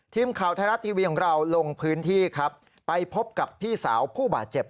ทีมข่าวไทยรัฐทีวีของเราลงพื้นที่ครับไปพบกับพี่สาวผู้บาดเจ็บ